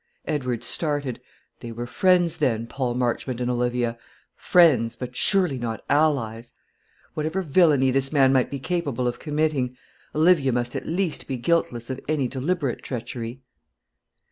Edward started. They were friends, then, Paul Marchmont and Olivia! friends, but surely not allies! Whatever villany this man might be capable of committing, Olivia must at least be guiltless of any deliberate treachery?